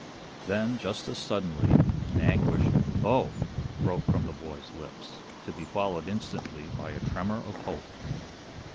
Then, just as suddenly, an anguished "oh!" broke from the boy's lips, to be followed, instantly, by a tremor of hope.